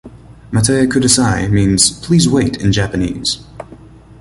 "Matte Kudasai" means "please wait" in Japanese.